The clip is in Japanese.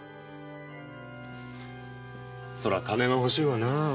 そりゃ金が欲しいわなぁ。